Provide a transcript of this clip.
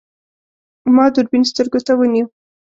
ما دوربین سترګو ته ونیو.